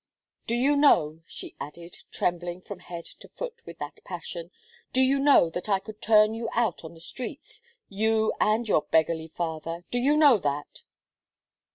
"Do you know," she added, trembling from head to foot with that passion, "do you know that I could turn you out on the streets, you and your beggarly father do you know that?"